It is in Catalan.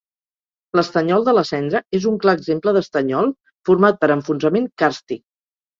L'estanyol de la Cendra és un clar exemple d'estanyol format per enfonsament càrstic.